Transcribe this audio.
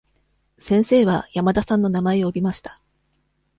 先生は山田さんの名前を呼びました。